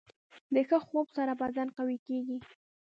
د ښه خوب سره بدن قوي کېږي.